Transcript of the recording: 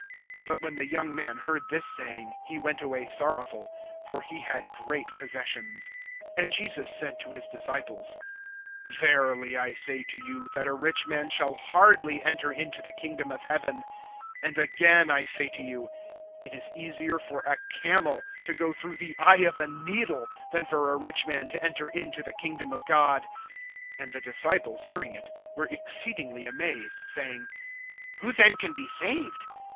(22)But when the young man heard this saying, he went away sorrowful; for he had great possessions. (23)And Jesus said to his disciples: Verily I say to you, that a rich man shall hardly enter into the kingdom of heaven. (24)And again I say to you: It is easier for a camel to go through the eye of a needle, than for a rich man to enter into the kingdom of God. (25)And the disciples, hearing it, were exceedingly amazed, saying: Who then can be saved?